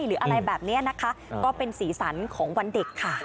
หรืออะไรแบบนี้นะคะก็เป็นสีสันของวันเด็กค่ะ